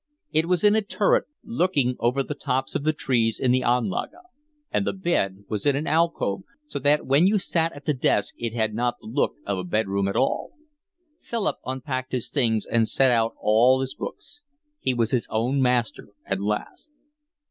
It was in a turret, looking over the tops of the trees in the Anlage; and the bed was in an alcove, so that when you sat at the desk it had not the look of a bed room at all. Philip unpacked his things and set out all his books. He was his own master at last.